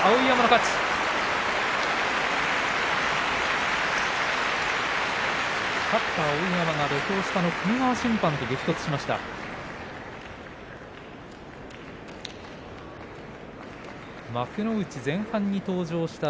勝った碧山が土俵下の粂川審判と激突しました。